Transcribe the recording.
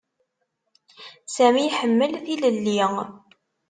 Sami iḥemmel tilelli.